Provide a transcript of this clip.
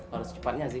harus cepatnya sih